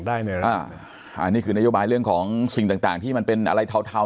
อันนี้คือนโยบายเรื่องของสิ่งต่างที่มันเป็นอะไรเทาเทา